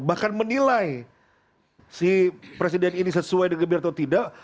bahkan menilai si presiden ini sesuai dengan gebir atau tidak